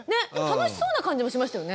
楽しそうな感じもしましたよね。